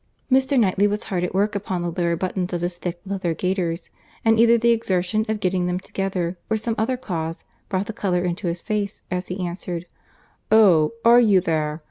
Mr. Knightley was hard at work upon the lower buttons of his thick leather gaiters, and either the exertion of getting them together, or some other cause, brought the colour into his face, as he answered, "Oh! are you there?